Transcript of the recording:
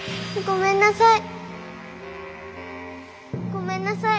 ごめんなさい。